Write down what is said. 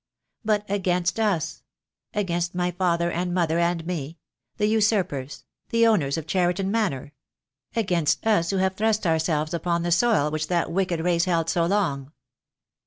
But against us — against my father and mother and me — the usurpers, the owners of Cheriton Manor; against us who have thrust ourselves upon the soil which that wicked race held so long.